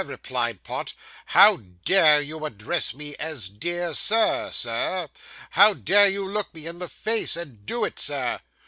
replied Pott. 'How dare you address me, as dear Sir, Sir? How dare you look me in the face and do it, sir?